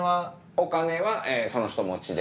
お金はその人持ちで。